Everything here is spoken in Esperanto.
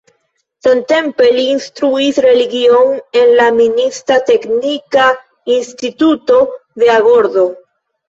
Samtempe, li instruis religion en la minista teknika instituto de Agordo.